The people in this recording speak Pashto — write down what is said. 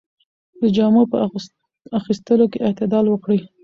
د جامو په اخیستلو کې اعتدال وکړئ.